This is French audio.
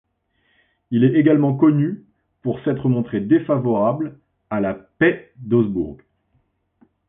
Il est également connu pour s'être montré défavorable à la paix d'Augsbourg.